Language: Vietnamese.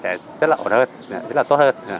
sẽ rất là ổn hơn rất là tốt hơn